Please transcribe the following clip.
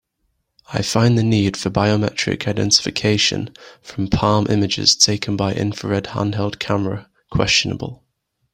I find the need for biometric identification from palm images taken by infrared handheld camera questionable.